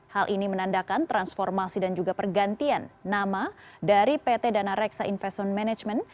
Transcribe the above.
hal ini menandakan transformasi dan juga pergantian nama dari pt dana reksa investment management